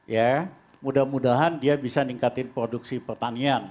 ya mudah mudahan dia bisa ningkatin produksi pertanian